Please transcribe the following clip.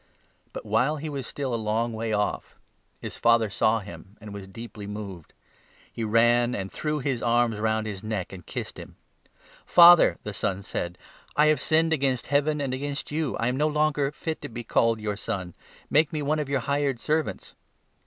But, while he was still a long way off, his father saw him and was deeply moved ; he ran and threw his arms round his neck and kissed him. ' Father,' 21 the son said, ' I sinned against Heaven and against you ; I am no longer fit to be called your son ; make me one of your hired servants.'